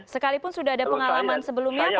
sekalipun sudah ada pengalaman sebelumnya pak amir